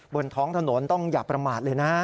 บนท้องถนนต้องอย่าประมาทเลยนะ